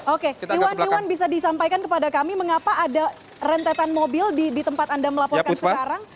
oke iwan iwan bisa disampaikan kepada kami mengapa ada rentetan mobil di tempat anda melaporkan sekarang